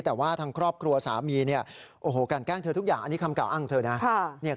แต่ว่าทางครอบครัวสามีเนี่ยโอ้โหกันแกล้งเธอทุกอย่างอันนี้คำกล่าอ้างของเธอนะ